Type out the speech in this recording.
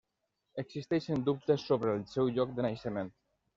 Existeixen dubtes sobre el seu lloc de naixement.